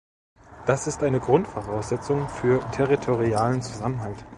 Das ist eine Grundvoraussetzung für territorialen Zusammenhalt.